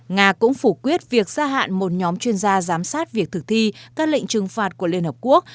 nga cũng phủ quyết việc gia hạn một nhóm chuyên gia giám sát việc thực thi các lệnh trừng phạt của liên hợp quốc